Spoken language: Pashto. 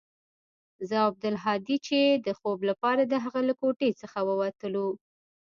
زه او عبدالهادي چې د خوب لپاره د هغه له کوټې څخه وتلو.